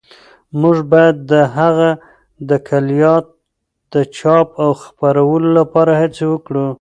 موږ باید د هغه د کلیات د چاپ او خپرولو لپاره هڅې وکړو.